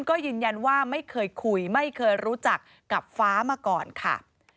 ก็ยืนยันว่าไม่เคยคุยไม่เคยรู้จักกับฟ้ามาก่อนค่ะ